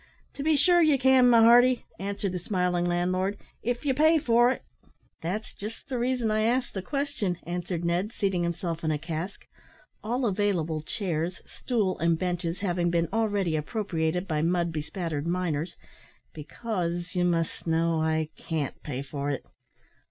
"To be sure ye can, my hearty," answered the smiling landlord, "if ye pay for it." "That's just the reason I asked the question," answered Ned, seating himself on a cask all available chairs, stool; and benches having been already appropriated by mud bespattered miners, "because, you must know, I can't pay for it."